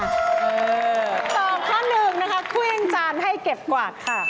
ตอบข้อหนึ่งนะคะเครื่องจานให้เก็บกวาดค่ะ